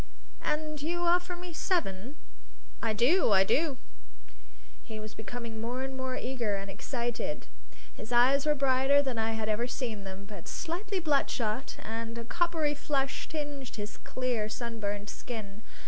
"And you offer me seven?" "I do! I do!" He was becoming more and more eager and excited. His eyes were brighter than I had ever seen them, but slightly bloodshot, and a coppery flush tinged his clear, sunburnt skin.